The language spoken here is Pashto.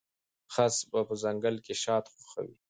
خرس په ځنګل کې شات خوښوي.